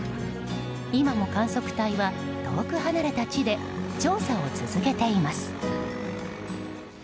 今も観測隊は遠く離れた地で調査を続けています。